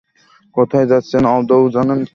কোথায় যাচ্ছেন আদৌ জানেন তো?